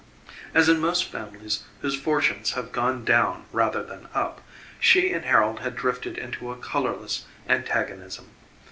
As in most families whose fortunes have gone down rather than up, she and Harold had drifted into a colorless antagonism.